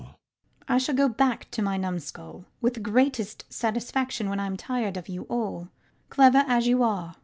I shall go back to my numskull with the greatest satisfaction when I am tired of you all, clever as you are.